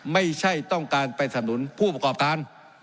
ไม่ใช่ต้องการไปสำนุนผู้ประกอบการ